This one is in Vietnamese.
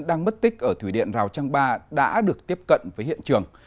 đang mất tích ở thủy điện rào trang ba đã được tiếp cận với hiện trường